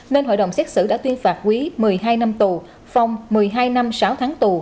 nên hội đồng xét xử đã tuyên phạt quý một mươi hai năm tù phong một mươi hai năm sáu tháng tù